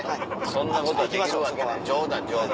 そんなことはできるわけない冗談冗談。